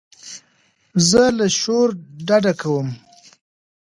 زه له شور ډډه کوم.